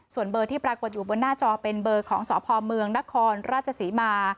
ส่วนเบอร์ที่ปรากฏอยู่บนหน้าจอเป็นเบอร์ของสพเมืองนครราชศรีมา